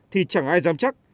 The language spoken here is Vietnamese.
thì chẳng ai dám chắc